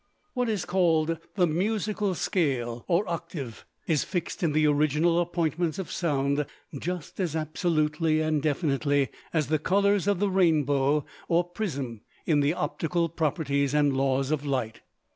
What is called the musical scale, or octave, is fixed in the original appointments of sound just as absolutely and definitely as the colors of the rainbow or prism in the optical properties and laws of light.